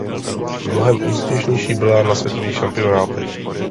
Mnohem úspěšnější byla na světových šampionátech.